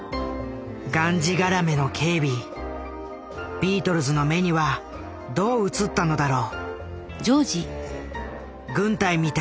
ビートルズの目にはどう映ったのだろう。